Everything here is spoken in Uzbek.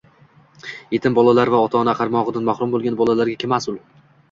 Yetim bolalar va ota-ona qaramog‘idan mahrum bo‘lgan bolalarga kim mas'ul?